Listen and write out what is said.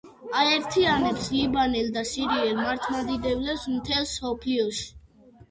აერთიანებს ლიბანელ და სირიელ მართლმადიდებლებს მთელ მსოფლიოში.